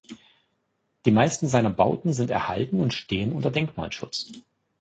Die meisten seiner Bauten sind erhalten und stehen unter Denkmalschutz.